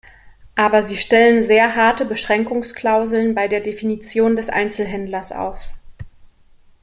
Aber Sie stellen sehr harte Beschränkungsklauseln bei der Definition des Einzelhändlers auf.